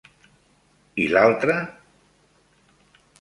I l'altre.?